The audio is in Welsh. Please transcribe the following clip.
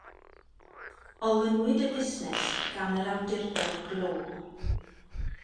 Olynwyd y busnes gan yr Awdurdod Glo.